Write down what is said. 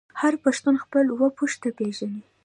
هر پښتون خپل اوه پيښته پیژني.